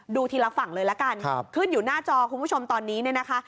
ทีละฝั่งเลยละกันขึ้นอยู่หน้าจอคุณผู้ชมตอนนี้เนี่ยนะคะ